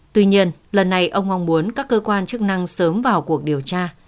tuy nhiên lần này ông mong muốn các cơ quan chức năng sớm vào cuộc điều tra